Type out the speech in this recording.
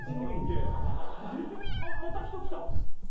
あっまた人来た。